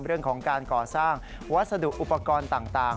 เรื่องของการก่อสร้างวัสดุอุปกรณ์ต่าง